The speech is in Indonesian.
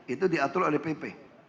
itu diatur oleh pp